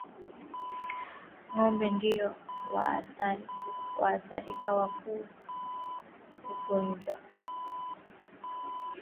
Ngombe ndio waathirika wakuu wa ugonjwa wa ndigana baridi